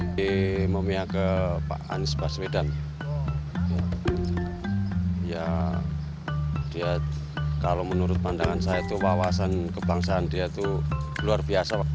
ini memilih keandis baswedan ya dia kalau menurut pandangan saya tuh wawasan kebangsaan dia tuh luar biasa